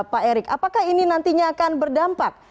pak erick apakah ini nantinya akan berdampak